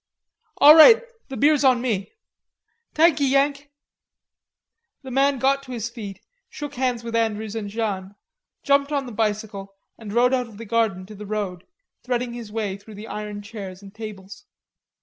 "All right. The beer's on me." "Thank ye, Yank." The man got to his feet, shook hands with Andrews and Jeanne, jumped on the bicycle and rode out of the garden to the road, threading his way through the iron chairs and tables.